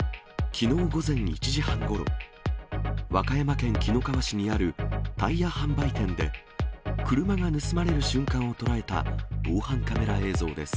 きのう午前１時半ごろ、和歌山県紀の川市にあるタイヤ販売店で、車が盗まれる瞬間を捉えた防犯カメラ映像です。